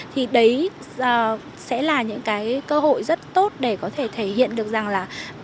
thì đấy sẽ là những cái cơ hội rất tốt để có thể thể hiện được rằng là